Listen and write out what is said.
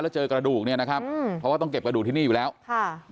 แล้วเจอกระดูกเนี่ยนะครับอืมเพราะว่าต้องเก็บกระดูกที่นี่อยู่แล้วค่ะ